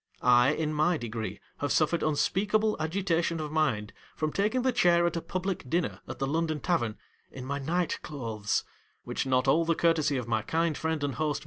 I, in my degree, have suffered unspeakable agitation of mind from taking the chair at a public dinner at the London Tavern in my night clothes, which not all the courtesy of feel the cold air unpleasant, then return to j my kind friend and host MR.